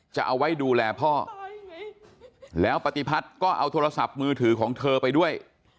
จะเอาไว้ดูแลพ่อแล้วปฏิพัฒน์ก็เอาโทรศัพท์มือถือของเธอไปด้วย